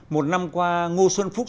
một năm qua ngô xuân phúc